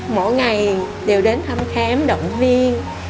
mỗi ngày đều đến thăm khám động viên